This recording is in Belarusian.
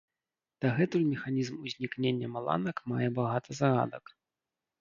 Дагэтуль механізм узнікнення маланак мае багата загадак.